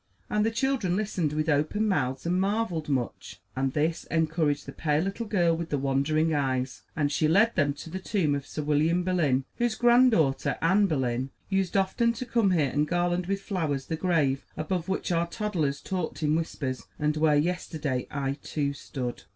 And the children listened with open mouths and marveled much, and this encouraged the pale little girl with the wondering eyes, and she led them to the tomb of Sir William Boleyn, whose granddaughter, Anne Boleyn, used often to come here and garland with flowers the grave above which our toddlers talked in whispers, and where, yesterday, I, too, stood.